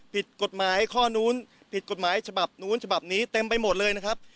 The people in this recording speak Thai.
ผิดกฎหมายข้อนู้นผิดกฎหมายฉบับนู้นฉบับนี้เต็มไปหมดเลยนะครับ